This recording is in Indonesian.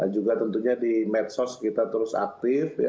juga tentunya di medsos kita terus aktif